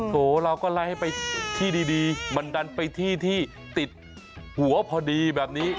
โหเราก็ไล่ให้ไปที่ดีมันดันไปที่ที่ติดหัวพอดีแบบนี้